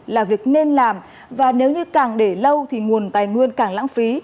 là việc nên làm và nếu như càng để lâu thì nguồn tài nguyên càng lãng phí